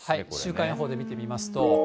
週間予報で見てみますと。